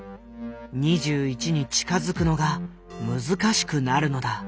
２１に近づくのが難しくなるのだ。